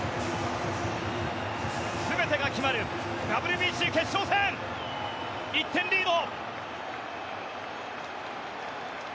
全てが決まるＷＢＣ決勝戦１点リード。